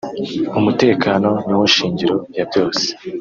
umutekano niwo shingiro ya byose